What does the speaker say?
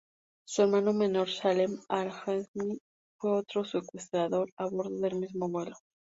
Su hermano menor, Salem al-Hazmi, fue otro secuestrador a bordo del mismo vuelo.